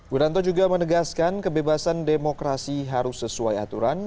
wiranto juga menegaskan kebebasan demokrasi harus sesuai aturan